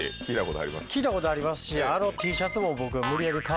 聞いたことありますしあのＴシャツも僕は。